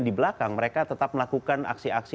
di belakang mereka tetap melakukan aksi aksi